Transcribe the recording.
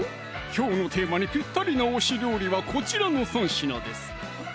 きょうのテーマにぴったりな推し料理はこちらの３品です